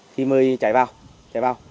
thì mới chạy vào